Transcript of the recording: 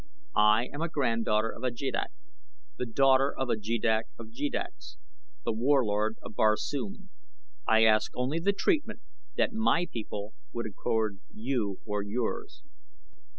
I am a granddaughter of a jeddak, the daughter of a jeddak of jeddaks, The Warlord of Barsoom. I ask only the treatment that my people would accord you or yours."